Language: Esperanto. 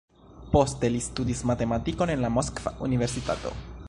Poste li studis matematikon en la Moskva Universitato.